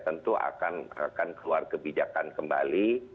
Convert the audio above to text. tentu akan keluar kebijakan kembali